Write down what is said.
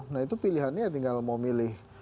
nah itu pilihannya tinggal mau milih